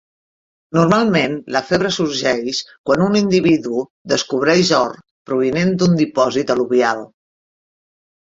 Normalment, la febre sorgeix quan un individu descobreix or provinent d'un dipòsit al·luvial.